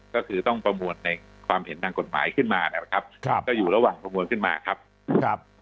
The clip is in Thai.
ก็คือต้องประมวลในความเห็นดังกฎหมายขึ้นมานะครับครับ